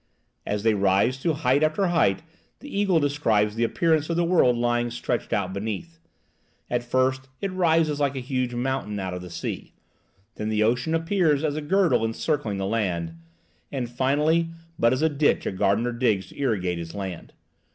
As they rise to height after height the eagle describes the appearance of the world lying stretched out beneath: at first it rises like a huge mountain out of the sea; then the ocean appears as a girdle encircling the land, and finally but as a ditch a gardener digs to irrigate his land.